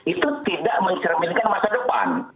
itu tidak mencerminkan masa depan